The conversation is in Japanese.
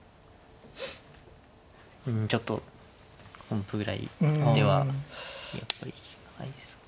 うんちょっと本譜ぐらいではやっぱり自信がないですよね。